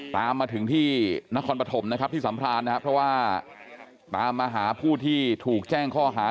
ตามมาถึงที่นครปฐมนะครับที่สัมพรานนะครับเพราะว่าตามมาหาผู้ที่ถูกแจ้งข้อหา